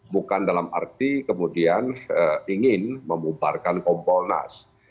bukan dalam arti kemudian ingin membubarkan kompolnas